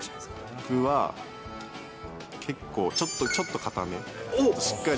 僕は、結構ちょっと、ちょっと硬め。